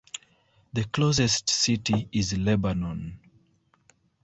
The closest city is Lebanon.